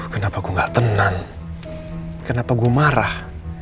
kenapa aku gak tenang kenapa gue marah